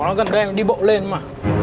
chỗ nó gần đây em cũng đi bộ lên cơ mà